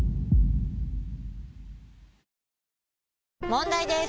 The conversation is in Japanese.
問題です！